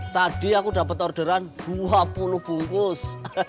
tadi aku dapat orderan dua puluh bungkus